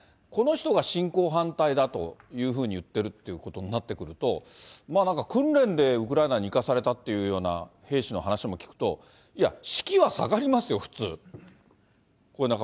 この人が侵攻反対だというふうに言っているということになってくると、なんか訓練でウクライナに行かされたっていうような兵士の話も聞くと、いや、士気は下がりますよ、普通。